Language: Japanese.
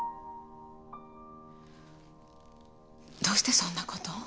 どうしてそんなことを？